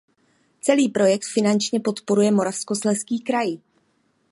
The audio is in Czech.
Celý projekt finančně podporuje Moravskoslezský kraj.